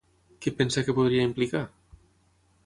Què pensa que podria implicar?